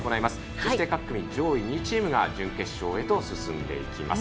そして各組上位２チームが準決勝へと進んでいきます。